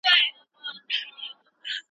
د اسلامي ویښتابه بدیلونه له منځه یوړل سول.